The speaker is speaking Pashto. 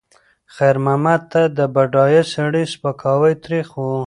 خیر محمد ته د بډایه سړي سپکاوی تریخ و.